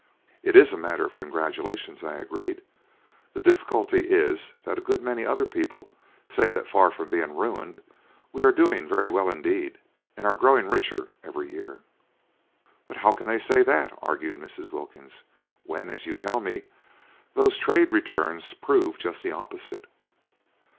"It is a matter of congratulation," I agreed; "the difficulty is that a good many other people say that far from being ruined, we are doing very well indeed, and are growing richer every year." "But 'ow can they say that," argued Mrs. Wilkins, "when, as you tell me, those Trade Returns prove just the opposite?"